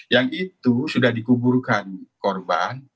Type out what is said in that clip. yang itu sudah dikuburkan korban